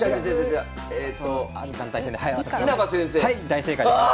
はい大正解です。